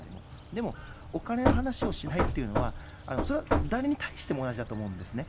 でもお金の話をしないっていうのは、それは誰に対しても同じだと思うんですね。